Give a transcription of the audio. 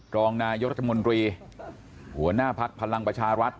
รองนายกรรมดรีหัวหน้าพักภัลลังก์ประชารัฐ